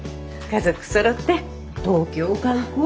家族そろって東京観光。